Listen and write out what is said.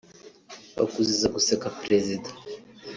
bakuziza guseka Perezida